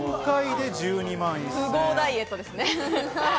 富豪ダイエットですね。